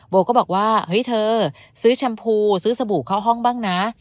โบก็บอกว่าเฮ้ยเธอซื้อแชมพูซื้อสบู่เข้าห้องบ้างนะ